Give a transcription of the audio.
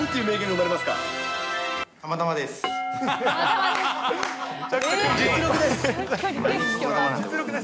たまたまです！